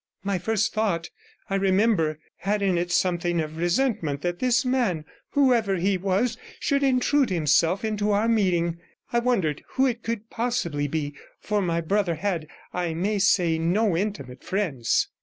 My first thought, I remember, had in it something of resentment that this man, whoever he was, should intrude himself into our meeting; I wondered who it could possibly be, for my brother had, I may say, no intimate friends.